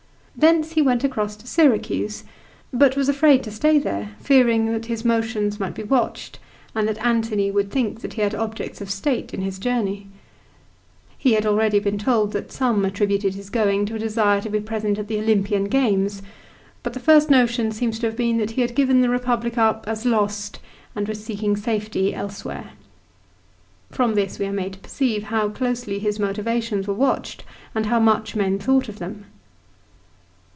Thence he went across to Syracuse, but was afraid to stay there, fearing that his motions might be watched, and that Antony would think that he had objects of state in his journey. He had already been told that some attributed his going to a desire to be present at the Olympian games ; but the first notion seems to have been that he had given the Republic up as lost and was seeking safety elsewhere. From this we are made to perceive how closely his motions were watched, and how much men thought of them.